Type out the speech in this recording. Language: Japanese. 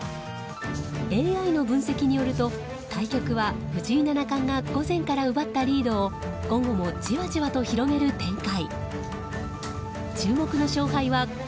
ＡＩの分析によると対局は藤井七冠が午前から奪ったリードを午後もじわじわと広げる展開。